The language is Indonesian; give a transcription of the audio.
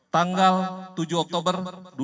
tanggal tujuh oktober dua ribu enam belas